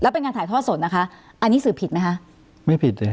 เป็นการถ่ายทอดสดนะครับอันนี้สื่อผิดมั้ยฮะ